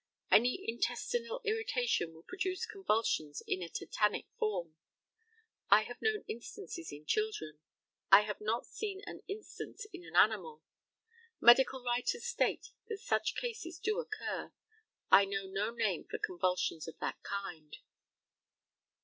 Any intestinal irritation will produce convulsions in a tetanic form. I have known instances in children. I have not seen an instance in an animal. Medical writers state that such cases do occur. I know no name for convulsions of that kind.